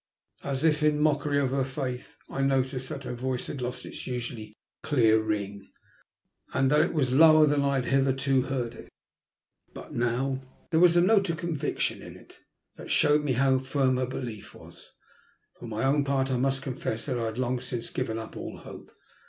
*' As if in mockery of her faith I noticed that her voice had lost its usually clear ring, and that it was lower than I had ever hitherto heard it. But there was a note of conviction in it that showed me how firm her belief was. For my own part I must confess that I had long since given up all hope.